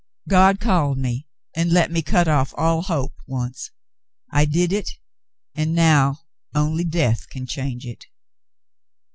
God called me and let me cut off all hope, once. I did it, and now, only death can change it."